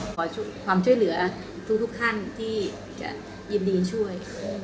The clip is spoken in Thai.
ขอความช่วยเหลือทุกท่านที่จะยินดีช่วย